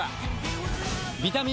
ビタミン Ｃ！